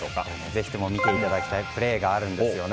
ぜひとも見ていただきたいプレーがあるんです。